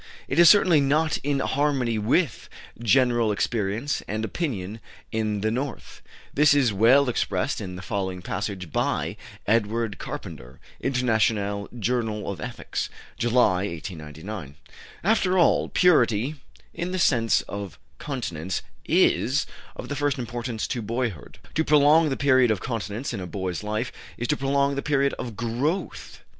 It is certainly not in harmony with general experience and opinion in the north; this is well expressed in the following passage by Edward Carpenter (International Journal of Ethics, July, 1899): "After all, purity (in the sense of continence) is of the first importance to boyhood. To prolong the period of continence in a boy's life is to prolong the period of growth.